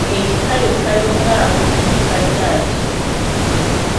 Ekipayoyoppayo ng’abuukidde bbajaaji.